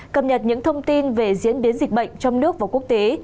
cập nhật những thông tin về diễn biến dịch bệnh trong nước và quốc tế